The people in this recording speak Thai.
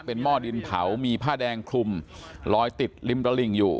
หม้อดินเผามีผ้าแดงคลุมลอยติดริมตลิ่งอยู่